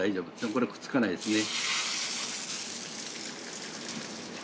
これくっつかないですね。